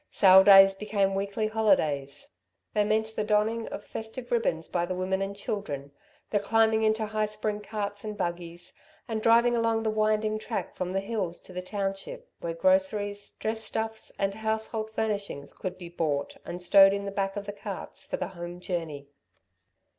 Sale days became weekly holidays. They meant the donning of festive ribbands by the women and children, the climbing into high spring carts and buggies, and driving along the winding track from the hills to the township, where groceries, dress stuffs and household furnishings could be bought, and stowed in the back of the carts for the home journey.